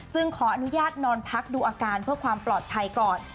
ซึ่งขออนุญาตนอนพักดูอาการเพื่อความปลอดภัยก่อน